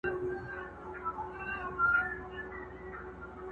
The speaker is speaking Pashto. خدای به مني قرآن به لولي مسلمان به نه وي؛